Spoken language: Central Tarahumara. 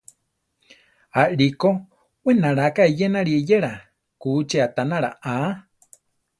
Aʼlí ko we naláka eyénali eyéla, kúchi aʼtanala aa.